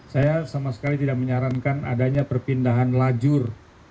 saya sama sekali tidak menyarankan adanya perpindahan lajur